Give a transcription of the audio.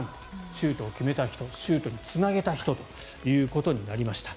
シュートを決めた人シュートにつなげた人となりました。